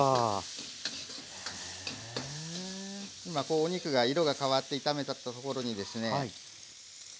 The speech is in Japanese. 今こうお肉が色が変わって炒めたところにですね